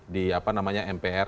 di apa namanya mpr